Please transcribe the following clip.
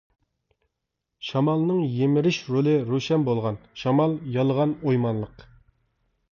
شامالنىڭ يىمىرىش رولى روشەن بولغان، شامال يالىغان ئويمانلىق.